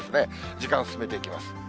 時間進めていきます。